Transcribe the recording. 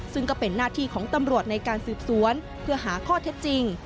ซึ่งก็เป็นหน้าที่ของตำรวจในการสืบสวนเพื่อหาข้อเท็จจริง